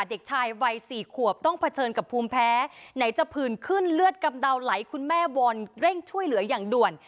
เด็กชายวัยสี่ขวบต้องเผชิญกับภูมิแพ้ไหนจะผื่นขึ้นเลือดกำเดาไหลคุณแม่วอนเร่งช่วยเหลืออย่างด่วน